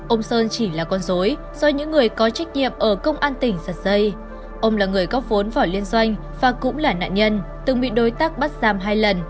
ông là người có vốn vỏ liên doanh và cũng là nạn nhân từng bị đối tác bắt giam hai lần